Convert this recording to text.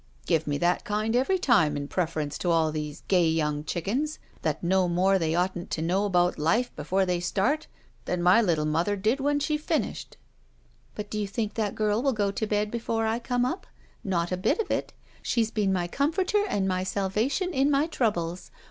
''Give me that kind every time in preference to 19 SHE WALKS IN BEAUTY all these gay young chickens that know more they oughtn't to know about life before they start tluui my little mother did when she finished." *'But do you think that girl will go to bed before I come up ? Not a bit of it. She's been my comforter and my salvation in my troubles.